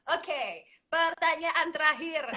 oke pertanyaan terakhir